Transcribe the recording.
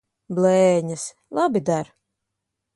Blēņas! Labi der.